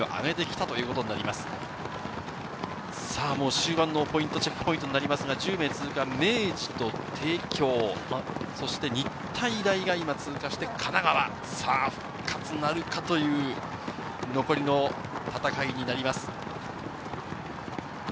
終盤のチェックポイントになりますが、１０名通過、明治と帝京、そして日体大が今通過して、神奈川、復活なるかという残りの戦いになります。